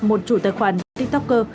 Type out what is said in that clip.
một chủ tài khoản tiktok